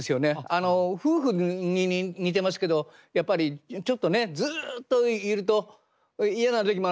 あの夫婦に似てますけどやっぱりちょっとねずっといると嫌なる時もあるじゃないですか。